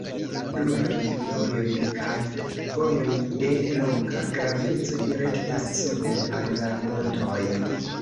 Pluraj vojoj kaj vojoj de loka graveco direktas suden al la montoj.